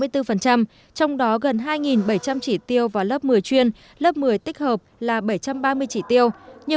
trong đó gần hai bảy trăm linh chỉ tiêu vào lớp một mươi chuyên lớp một mươi tích hợp là bảy trăm ba mươi chỉ tiêu